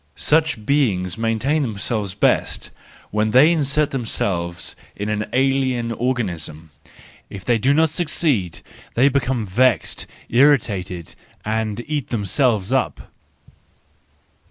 Such beings maintain themselves best when they insert them¬ selves in an alien organism; if they do not succeed they become vexed, irritated, and eat themselves up.